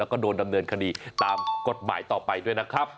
แล้วก็โดนดำเนินคดีตามกฎหมายต่อไปด้วยนะครับ